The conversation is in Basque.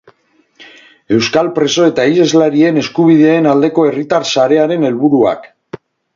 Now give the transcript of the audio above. Euskal preso eta iheslarien eskubideen aldeko herritar sarearen helburuak.